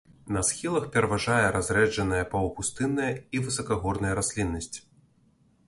На схілах пераважае разрэджаная паўпустынная і высакагорная расліннасць.